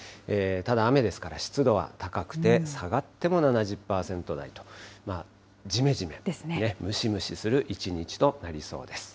ただ雨ですから湿度は高くて、下がっても７０％台と、じめじめ、ムシムシする一日となりそうです。